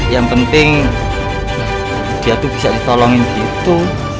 yang penting dia tuh bisa ditolongin gitu